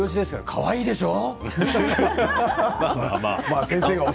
かわいいですよ。